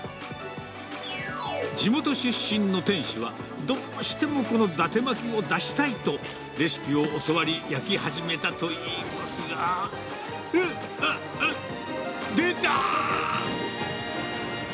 地元出身の店主は、どうしてもこの伊達巻きを出したいと、レシピを教わり、焼き始めたといいますが、うっ、うっ、うっ、出たー！